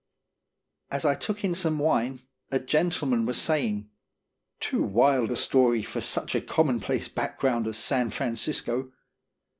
" As I took in some wine, a gentleman was saying: "Too wild a story for such a com monplace background as San Francisco."